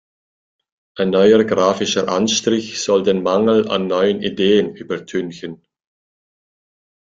Ein neuer grafischer Anstrich soll den Mangel an neuen Ideen übertünchen.